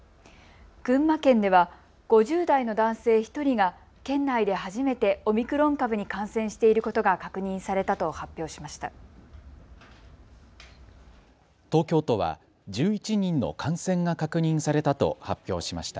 群馬県では５０代の男性１人が県内で初めてオミクロン株に感染していることが確認されたと発表しました。